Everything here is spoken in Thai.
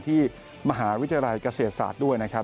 ที่มหาวิทยาลัยเกษตรศาสตร์ด้วยนะครับ